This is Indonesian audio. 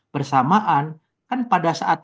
bersamaan kan pada saat